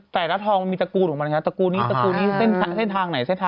แต่ละทองมีตระกูลของมันครับตระกูลนี้ตระกูลนี้เส้นทางไหนเส้นทาง